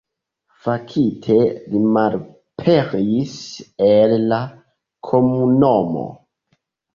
Fakte li malaperis el la komunumo.